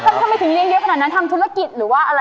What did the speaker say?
ทำไมถึงเลี้ยงเยอะขนาดนั้นทำธุรกิจหรือว่าอะไร